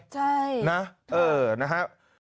ใช่นะฮะเออนะฮะ